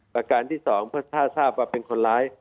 ประการที่๒ถ้าทราบว่าเป็นคนร้าย